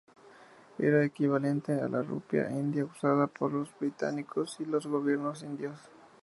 Era equivalente a la rupia india usada por los británicos y los gobiernos indios.